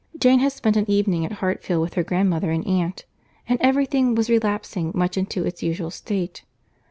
Jane had spent an evening at Hartfield with her grandmother and aunt, and every thing was relapsing much into its usual state.